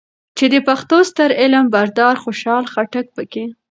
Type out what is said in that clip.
چې د پښتو ستر علم بردار خوشحال خټک پکې